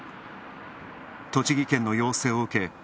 栃木県の要請を受け